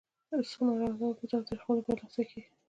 اصول مراعاتول پر تاوتریخوالي برلاسي کیږي.